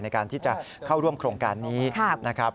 ในการที่จะเข้าร่วมโครงการนี้นะครับ